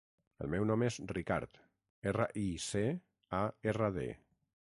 El meu nom és Ricard: erra, i, ce, a, erra, de.